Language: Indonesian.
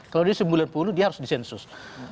kalau dia sembilan puluh dia harus disensus